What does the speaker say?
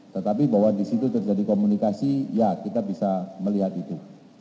tetapi bahwa di situ terjadi komunikasi ya kita bisa melihat itu